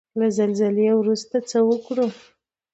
له زلزلې وروسته څه وکړو؟